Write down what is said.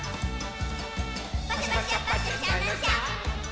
「パシャパシャパシャシャのシャッ！」